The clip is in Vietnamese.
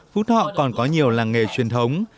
phú thọ còn có nhiều làng nghề truyền thống